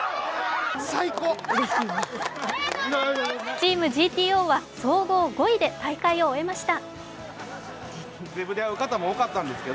チームＧＴＯは総合５位で大会を終えました。